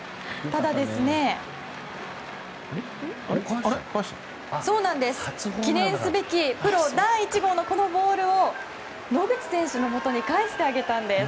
ただ、記念すべきプロ第１号のボールを野口選手のもとに返してあげたんです。